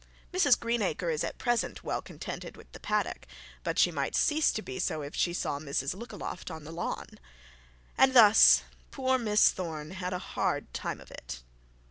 Mrs Greenacre is at present well contented with the paddock, but she might cease to be so if she saw Mrs Lookaloft on the lawn. And thus poor Miss Thorne had a hard time of it.